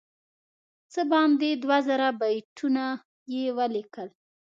څه باندې دوه زره بیتونه یې ولیکل.